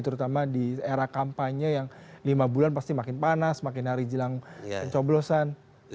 terutama di era kampanye yang lima bulan pasti makin panas makin hari jelang pencoblosan